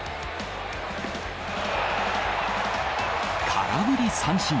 空振り三振。